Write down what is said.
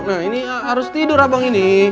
nah ini harus tidur abang ini